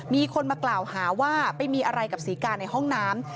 มีคนมากล่าวหาว่าไปมีอะไรกับศรีกาในห้องน้ำ